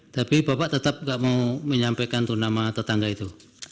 tapi bapak tetap gak mau menyampaikan itu nama tetangga itu